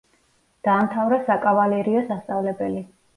დაამთავრა საკავალერიო სასწავლებელი.